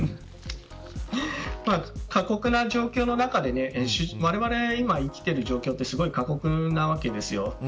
過酷な状況の中で、われわれが今生きている状況はすごく過酷なわけですよ。